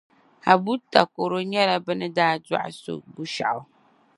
Abu Takoro nyɛla bɛ ni daa dɔɣi so Gushɛɣu.